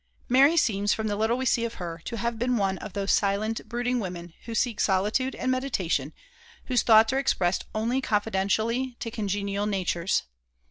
Mary seems, from the little we see of her, to have been one of those silent, brooding women who seek solitude and meditation, whose thoughts are expressed only confidentially to congenial natures.